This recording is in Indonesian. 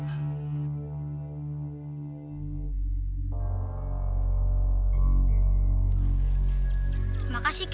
terima kasih kek